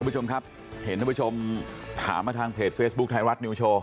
คุณผู้ชมครับเห็นท่านผู้ชมถามมาทางเพจเฟซบุ๊คไทยรัฐนิวโชว